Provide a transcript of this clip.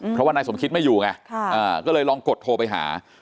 เพราะว่านายสมคิดไม่อยู่ไงก็เลยลองกดโทรไปหา